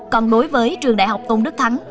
còn đối với trường đại học tôn đức thắng